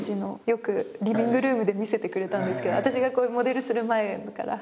よくリビングルームで見せてくれたんですけど私がモデルする前から。